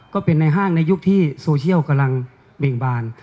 ก็เป็นในห้างในยุคที่โซเชียลกำลังเบ่งบาน